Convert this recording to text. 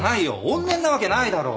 おん念なわけないだろ。